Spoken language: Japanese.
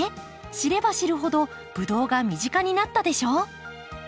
知れば知るほどブドウが身近になったでしょ？